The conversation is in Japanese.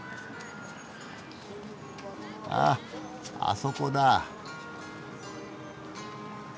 ああそこだ。